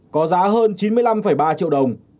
có giá hơn chín mươi năm ba triệu đồng